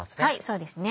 そうですね。